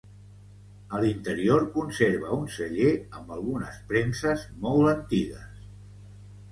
A l'interior conserva un celler amb algunes premses molt antigues.